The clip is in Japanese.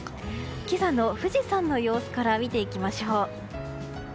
今朝の富士山の様子から見ていきましょう。